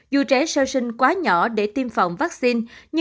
dù trẻ sơ sinh quá nhỏ để tiêm phòng vaccine nhưng